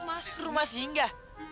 mas rumah singga